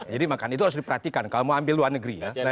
jadi makan itu harus diperhatikan kalau mau ambil luar negeri